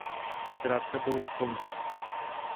Zkrátka byl lakomec.